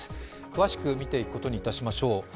詳しく見ていくことにいたしましょう。